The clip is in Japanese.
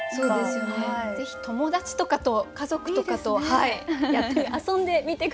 ぜひ友達とかと家族とかと遊んでみて下さい。